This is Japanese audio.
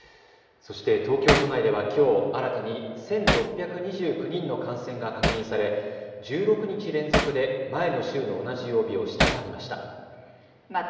そして東京都内ではきょう新たに１６２９人の感染が確認され１６日連続で前の週の同じ曜日を下回りました。